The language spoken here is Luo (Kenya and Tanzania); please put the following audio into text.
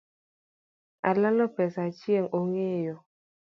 Olalo pesa Achieng ongeyo